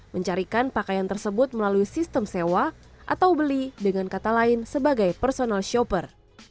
mencarikan pakaian tersebut melalui sistem sewa atau beli dengan kata lain sebagai personal shopper